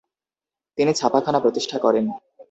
তিনি ছাপাখানা প্রতিষ্ঠা করেন।